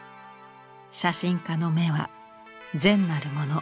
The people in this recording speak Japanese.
写真家の目は善なるもの